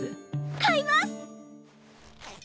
買います！